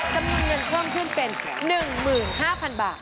จำนวนเงินเพิ่มขึ้นเป็น๑๕๐๐๐บาท